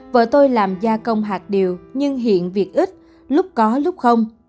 vợ tôi làm gia công hạt điều nhưng hiện việc ít lúc có lúc không